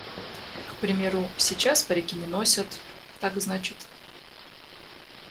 К примеру, сейчас парики не носят, так значит.